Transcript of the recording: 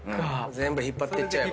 全部引っ張っていっちゃえば。